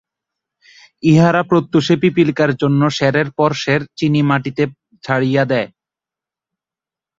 ইহারা প্রত্যুষে পিপীলিকার জন্য সেরের পর সের চিনি মাটিতে ছড়াইয়া দেয়।